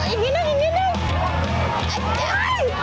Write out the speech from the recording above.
อีกนิดหนึ่ง